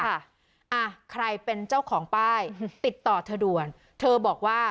อ่ะใครเป็นเจ้าของป้ายติดต่อเธอด่วนเธอบอกว่า